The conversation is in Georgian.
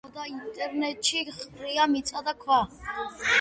ძეგლის გარშემო და ინტერიერში ყრია მიწა და ქვა.